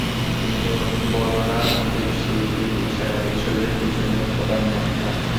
কিন্তু বলো না যে সে-ই এসবের পিছনে প্রধান মাথা।